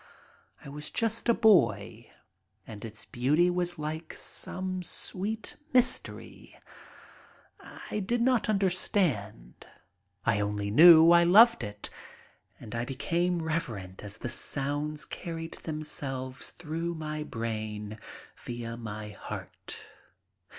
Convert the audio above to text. I was just a boy, and its beauty was like some sweet mys tery. I did not understand. I only knew I loved it and I became reverent as the sounds carried themselves through my brain via my heart.